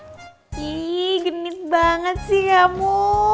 iiiih genit banget sih kamu